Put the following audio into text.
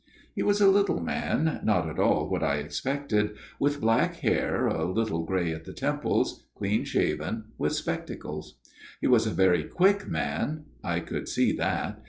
" He was a little man not at all what I expected with black hair a little grey at the temples, clean shaven, with spectacles. He was a very quick man I could see that.